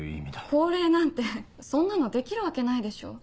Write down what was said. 降霊なんてそんなのできるわけないでしょう。